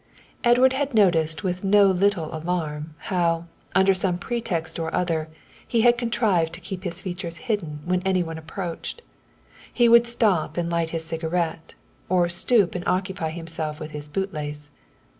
Edward had noticed with no little alarm, how, under some pretext or other, he had contrived to keep his features hidden when any one approached. He would stop and light his cigarette, or stoop and occupy himself with his bootlace.